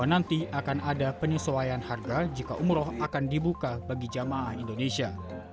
nanti akan ada penyesuaian harga jika umroh akan dibuka bagi jamaah indonesia